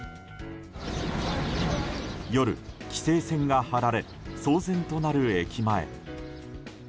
夜、規制線が張られ騒然となる駅前。